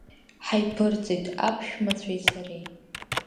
Ҳаиԥырҵит аԥшәмацәеи сареи.